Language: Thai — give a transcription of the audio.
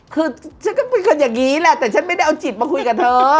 คือฉันก็คุยกันอย่างนี้แหละแต่ฉันไม่ได้เอาจิตมาคุยกับเธอ